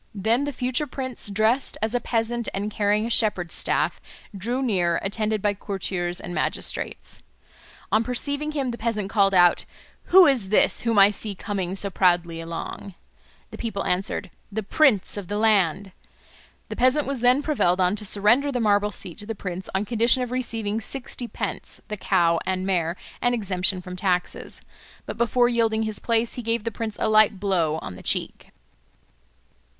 Then the future prince, dressed as a peasant and carrying a shepherd's staff, drew near, attended by courtiers and magistrates. On perceiving him the peasant called out, "Who is this whom I see coming so proudly along?" The people answered, "The prince of the land." The peasant was then prevailed on to surrender the marble seat to the prince on condition of receiving sixty pence, the cow and mare, and exemption from taxes. But before yielding his place he gave the prince a light blow on the cheek.